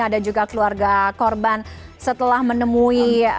ada juga keluarga korban setelah menemui